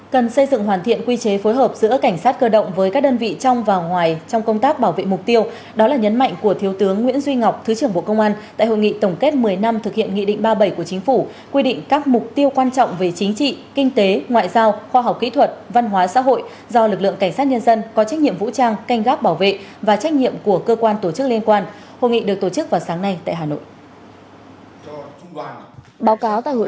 cần xây dựng hoàn thiện quy chế phối hợp giữa cảnh sát cơ động với các đơn vị trong và ngoài trong công tác bảo vệ mục tiêu đó là nhấn mạnh của thiếu tướng nguyễn duy ngọc thứ trưởng bộ công an tại hội nghị tổng kết một mươi năm thực hiện nghị định ba mươi bảy của chính phủ quy định các mục tiêu quan trọng về chính trị kinh tế ngoại giao khoa học kỹ thuật văn hóa xã hội do lực lượng cảnh sát nhân dân có trách nhiệm vũ trang canh gác bảo vệ và trách nhiệm của cơ quan tổ chức liên quan hội nghị được tổ chức vào sáng nay tại hà nội